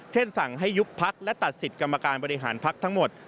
เช่นสั่งให้ยุคภัครและตัดศิษย์กรรมการบริหารภัครทั้งหมด